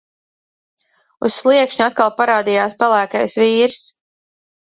Uz sliekšņa atkal parādījās pelēkais vīrs.